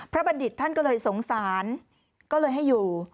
บัณฑิตท่านก็เลยสงสารก็เลยให้อยู่